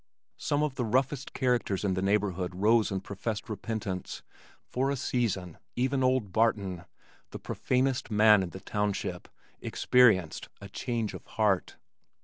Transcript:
Some of the roughest characters in the neighborhood rose and professed repentance, for a season, even old Barton, the profanest man in the township, experienced a "change of heart."